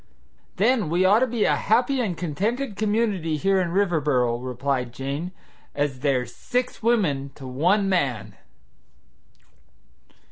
"Then we ought to be a happy and contented community here in Riverboro," replied Jane, "as there's six women to one man."